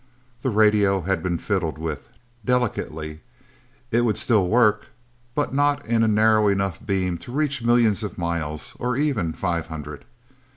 The radio had been fiddled with, delicately; it would still work, but not in a narrow enough beam to reach millions of miles, or even five hundred.